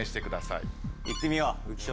いってみよう浮所。